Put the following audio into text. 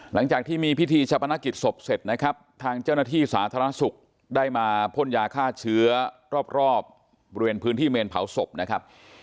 หลังจากที่มีพิธีชะพนักกิจศพเสร็จนะครับทางเจ้าหน้าที่สาธารณสุขได้มาพ่นยาฆ่าเชื้อรอบบริเวณพื้นที่เมนเผาศพนะครับ